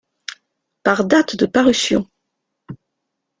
Par date de parution.